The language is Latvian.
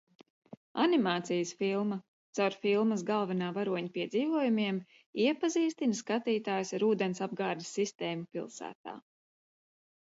Animācijas filma caur filmas galvenā varoņa piedzīvojumiem iepazīstina skatītājus ar ūdensapgādes sistēmu pilsētā.